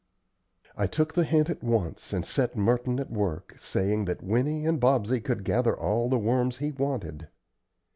I took the hint at once, and set Merton at work, saying that Winnie and Bobsey could gather all the worms he wanted.